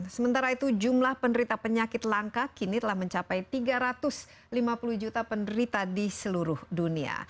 sementara itu jumlah penderita penyakit langka kini telah mencapai tiga ratus lima puluh juta penderita di seluruh dunia